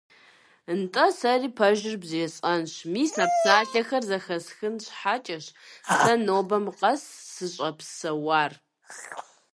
– НтӀэ, сэри пэжыр бжесӀэнщ: мис а псалъэхэр зэхэсхын щхьэкӀэщ сэ нобэм къэс сыщӀэпсэуар.